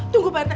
tunggu pak rt